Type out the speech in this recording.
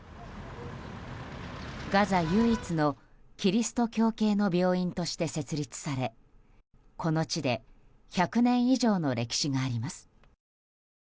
ガザ唯一のキリスト教系の病院として設立されこの地で１００年以上の歴史があります。